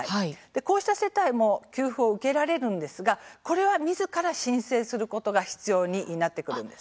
こうした世帯も給付を受けられるんですがこれはみずから申請することが必要になってくるんです。